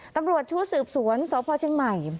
ตำรวจชุดสืบสวนสพเชียงใหม่